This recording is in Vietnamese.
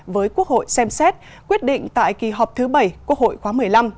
với quốc hội xem xét quyết định tại kỳ họp thứ bảy quốc hội khóa một mươi năm